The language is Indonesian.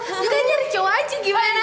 jangan nyari cowo aja gimana